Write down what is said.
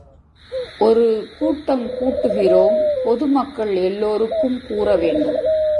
ஒரு கூட்டம் கூட்டுகிறோம், பொதுமக்கள் எல்லோருக்கும் கூறவேண்டும்.